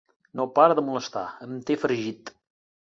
No para de molestar: em té fregit.